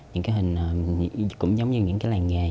những cái hình cũng giống như những cái làng nghề